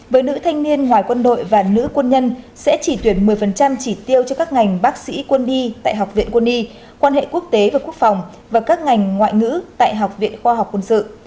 với nữ thanh niên ngoài quân đội và nữ quân nhân sẽ chỉ tuyển một mươi chỉ tiêu cho các ngành bác sĩ quân y tại học viện quân y quan hệ quốc tế và quốc phòng và các ngành ngoại ngữ tại học viện khoa học quân sự